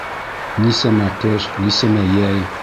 Нисәмә ҡыш, нисәмә йәй!